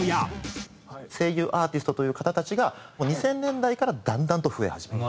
声優アーティストという方たちが２０００年代からだんだんと増え始めた。